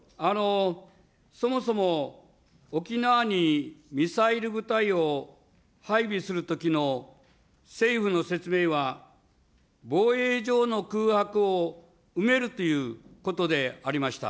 そもそも沖縄にミサイル部隊を配備するときの政府の説明は、防衛上の空白を埋めるということでありました。